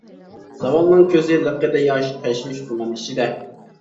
زاۋالنىڭ كۆزى لىققىدە ياش، تەشۋىش گۇمان ئىچىدە.